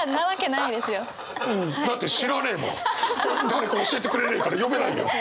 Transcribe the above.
誰か教えてくれねえから呼べないよ！